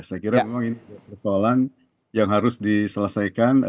saya kira memang ini persoalan yang harus diselesaikan